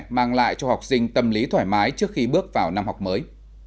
mang lại cho học sinh tâm lý thoải mái trước khi bước vào năm học mới